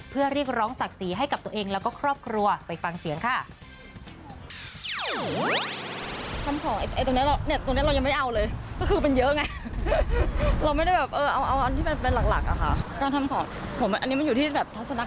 เพื่อเรียกร้องศักดิ์ศรีให้กับตัวเองแล้วก็ครอบครัวไปฟังเสียงค่ะ